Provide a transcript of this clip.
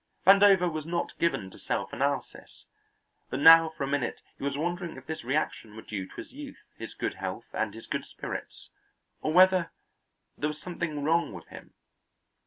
Vandover was not given to self analysis, but now for a minute he was wondering if this reaction were due to his youth, his good health and his good spirits, or whether there was something wrong with him.